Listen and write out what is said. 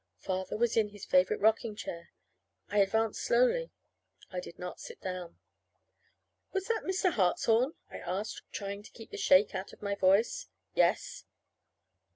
Father was in his favorite rocking chair. I advanced slowly. I did not sit down. "Was that Mr. Hartshorn?" I asked, trying to keep the shake out of my voice. "Yes."